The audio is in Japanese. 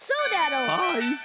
はい。